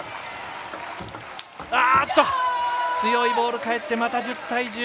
強いボール返って１０対１０。